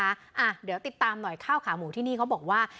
อ่ะเดี๋ยวติดตามหน่อยข้าวขาหมูที่นี่เขาบอกว่า